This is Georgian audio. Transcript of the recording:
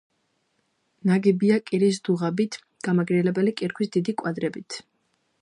ნაგებია კირის დუღაბით გამაგრებული კირქვის დიდი კვადრებით.